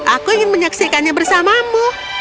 aku ingin menyaksikannya bersamamu